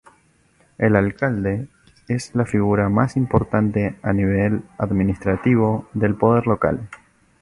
El alcalde es la figura más importante a nivel administrativo del poder local.